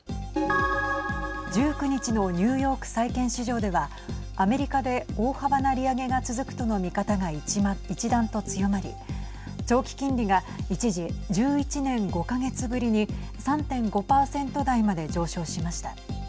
１９日のニューヨーク債券市場ではアメリカで大幅な利上げが続くとの見方が一段と強まり長期金利が一時１１年５か月ぶりに３．５％台まで上昇しました。